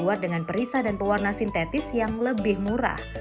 dibuat dengan perisa dan pewarna sintetis yang lebih murah